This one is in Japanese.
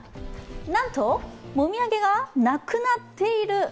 なんと、もみあげがなくなっている！